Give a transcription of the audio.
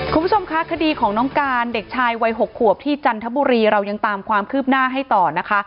คุณผู้ชมคะคดีของน้องการเด็กชายวัย๖ขวบที่จันทบุรีเรายังตามความคืบหน้าให้ต่อนะคะ